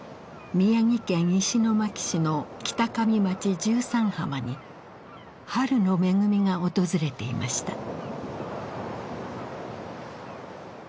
宮城県石巻市の北上町十三浜に春の恵みが訪れていました。